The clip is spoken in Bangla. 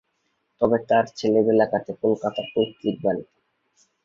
তবে তার ছেলেবেলা কাটে কলকাতার পৈত্রিক বাড়িতে।